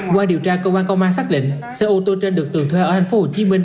qua điều tra công an công an xác định xe ô tô trên được tường thuê ở thành phố hồ chí minh